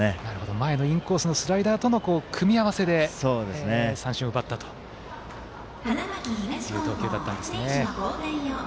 前のインコースのスライダーとの組み合わせで三振を奪ったという投球だったんですね。